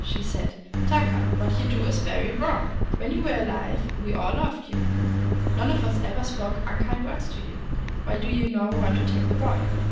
she said, ' Taka, what you do is very wrong. When you were alive we all loved you. None of us ever spoke unkind words to you. Why do you now want to take the boy?